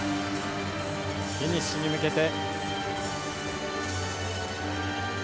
フィニッシュに向けて。